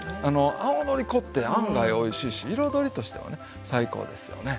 青のり粉って案外おいしいし彩りとしてはね最高ですよね。